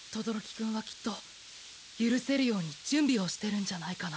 轟くんはきっと許せるように準備をしてるんじゃないかな。